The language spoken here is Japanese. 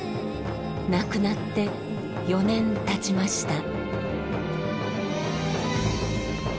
亡くなって４年たちました。